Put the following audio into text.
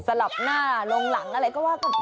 สลับหน้าลงหลังอะไรก็ว่ากันไป